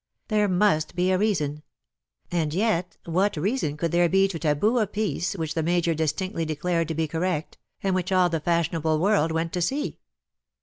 There must be a reason ; and yet what reason could there be to taboo a piece which the Major distinctly declared to be correct, and which all the fashionable world went to see?